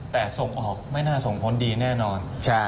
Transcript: แต่ส่งออกไม่น่าส่งผลดีแน่นอน